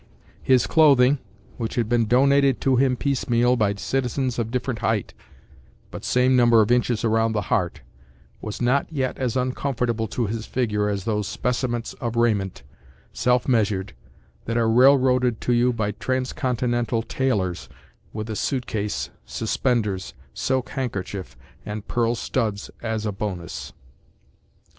His clothing, which had been donated to him piece meal by citizens of different height, but same number of inches around the heart, was not yet as uncomfortable to his figure as those specimens of raiment, self measured, that are railroaded to you by transcontinental tailors with a suit case, suspenders, silk handkerchief and pearl studs as a bonus.